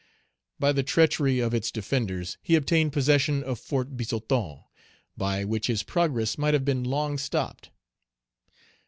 By the treachery of its defenders, he obtained possession of Fort Bizoton, by which his progress might have been long stopped.